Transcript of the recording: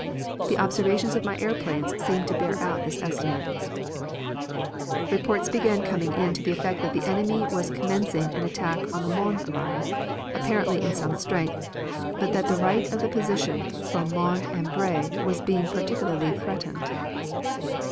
The observations of my airplanes seemed to bear out this estimate. "About 3 P. M. on Sunday, the 23d, reports began coming in to the effect that the enemy was commencing an attack on the Mons line, apparently in some strength, but that the right of the position from Mons and Bray was being particularly threatened.